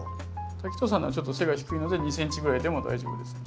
滝藤さんのはちょっと背が低いので２ｃｍぐらいでも大丈夫ですね。